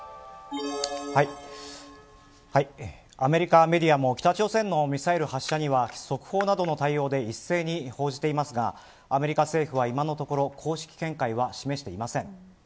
アメリカメディアも北朝鮮のミサイル発射には速報などの対応で一斉に報じていますがアメリカ政府は今のところ公式見解は示していません。